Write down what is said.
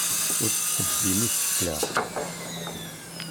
Ur tettebbim isekla.